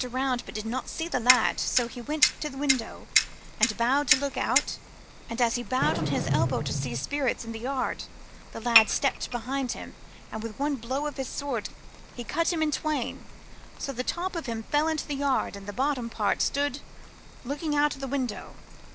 284 The Philosopher's Stone giant looked round, but did not see t' lad, so he went to t' window and bowed to look out ; and as he bowed on his elbows to see spirits i' t' yard, t' lad stepped behind him, and wi' one blow of his sword he cut him in twain, so that the top part of him fell in t' yard, and t' bottom part stood looking out o' t' window.